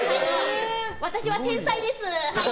私は天才ですはい。